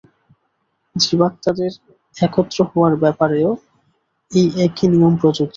জীবাত্মাদের একত্র হওয়ার ব্যাপারেও এই একই নিয়ম প্রযোজ্য।